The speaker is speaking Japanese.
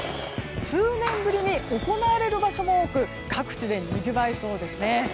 数年ぶりに行われる場所も多く各地でにぎわいそうですね。